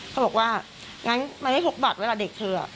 เขาบอกว่างั้นมันไม่พกบัตรเวลาเด็กเธอ